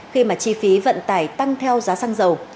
khi mà chi phí vận tải tăng theo giá xăng dầu